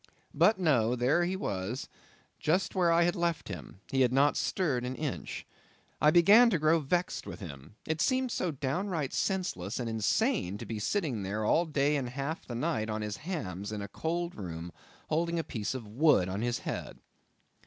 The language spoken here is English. But no; there he was just where I had left him; he had not stirred an inch. I began to grow vexed with him; it seemed so downright senseless and insane to be sitting there all day and half the night on his hams in a cold room, holding a piece of wood on his head.